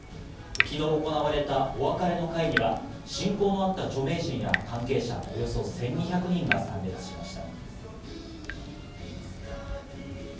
昨日、行われたお別れの会には、親交のあった著名人や関係者、およそ１２００人が参列しました。